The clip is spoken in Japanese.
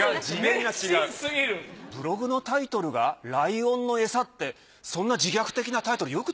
ブログのタイトルがライオンの餌ってそんな自虐的なタイトル